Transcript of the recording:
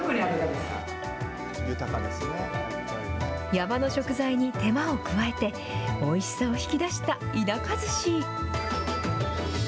山の食材に手間を加えて、おいしさを引き出した田舎ずし。